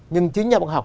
nhưng chính nhà bác học